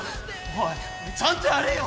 おいちゃんとやれよ！